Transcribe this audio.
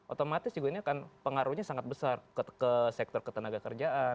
otomatis juga ini akan pengaruhnya sangat besar ke sektor ketenaga kerjaan